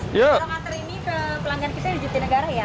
pas mau kantor ini ke pelanggan kita di jatinegara ya